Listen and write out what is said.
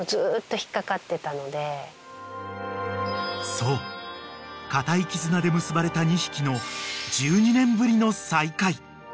［そう固い絆で結ばれた２匹の１２年ぶりの再会］